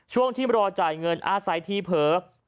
ช่วงที่รอจ่ายเงินอาศัยทีเผลอ